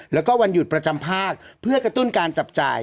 แล้วก็วันหยุดประจำภาคเพื่อกระตุ้นการจับจ่าย